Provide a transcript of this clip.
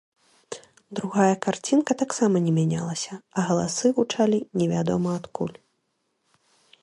Другая карцінка таксама не мянялася, а галасы гучалі невядома адкуль.